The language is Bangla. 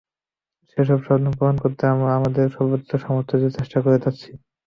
সেসব স্বপ্ন পূরণ করতে আমরা আমাদের সর্বোচ্চ সামর্থ্য দিয়ে চেষ্টা করে যাচ্ছি।